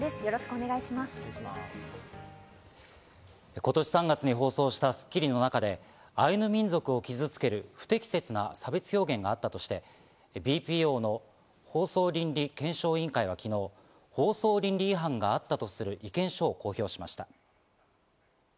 今年３月に放送した『スッキリ』の中でアイヌ民族を傷つける不適切な差別表現があったことについて、ＢＰＯの放送倫理検証委員会は昨日、放送倫理違反があったとする意見書を公表しました。